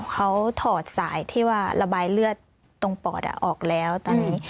เขาถอดสายที่ว่าระบายเลือดตรงปอดออกแล้วตอนนี้